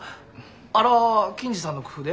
あれは錦次さんの工夫で？